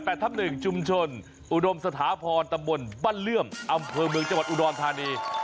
ชุมชนอุดมสถาพรตำบลบ้านเลื่อมอำเภอเมืองจังหวัดอุดรธานี